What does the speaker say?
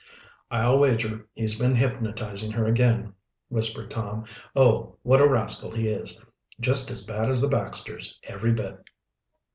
"I'll wager he's been hypnotizing her again," whispered Tom. "Oh, what a rascal he is! Just as bad as the Baxters, every bit!"